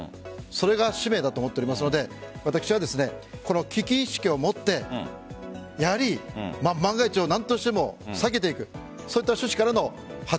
それが使命だと思っておりますので私はこの危機意識を持ってやはり、万が一を何としても避けていく。